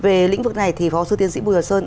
về lĩnh vực này thì phó sư tiến sĩ bùi hòa sơn